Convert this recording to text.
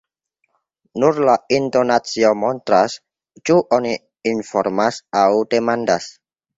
Nur la intonacio montras, ĉu oni informas aŭ demandas.